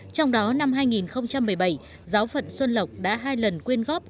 trong đó năm hai nghìn một mươi bảy giáo phận xuân lộc đã hai lần quyên góp